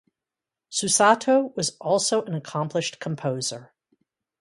Susato was also an accomplished composer.